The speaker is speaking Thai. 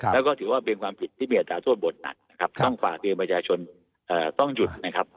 และก็ถือว่าเบงความผิดที่มีอัตราโทษบทนัดต้องฝากเพียงประชาชนต้องหยุด